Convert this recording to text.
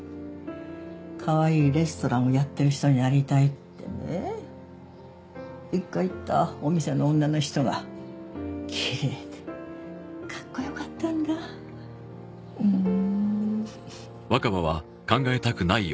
かわいいレストランをやってる人になりたいってね一回行ったお店の女の人がきれいでかっこよかったんだふーん